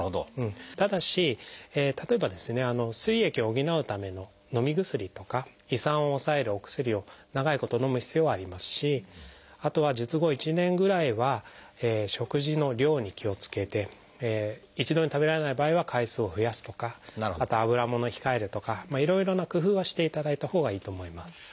ただし例えば膵液を補うためののみ薬とか胃酸を抑えるお薬を長いことのむ必要はありますしあとは術後１年ぐらいは食事の量に気をつけて一度に食べられない場合は回数を増やすとかあとはあぶらものを控えるとかいろいろな工夫はしていただいたほうがいいと思います。